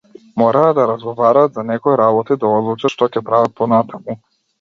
Мораа да разговараат за некои работи, да одлучат што ќе прават понатаму.